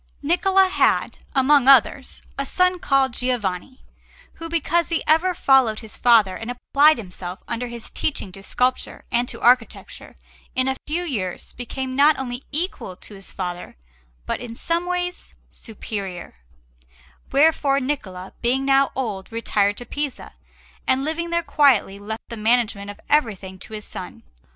Niccola had, among others, a son called Giovanni, who, because he ever followed his father and applied himself under his teaching to sculpture and to architecture, in a few years became not only equal to his father but in some ways superior; wherefore Niccola, being now old, retired to Pisa, and living there quietly left the management of everything to his son.